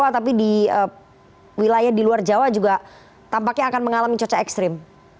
tapi di wilayah di luar jawa juga tampaknya akan mengalami cuaca ekstrim